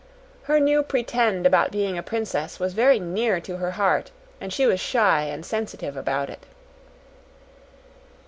Her new "pretend" about being a princess was very near to her heart, and she was shy and sensitive about it.